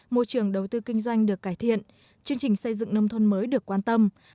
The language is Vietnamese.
môi trường đầu tư kinh doanh được cải thiện chương trình xây dựng nông thôn mới được quan tâm